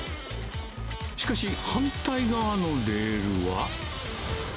しかし、反対側のレールは。